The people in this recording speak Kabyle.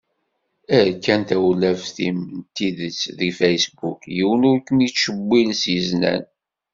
Err kan tawlaft-im n tidet deg Facebook, yiwen ur kem-ittcewwil s yiznan.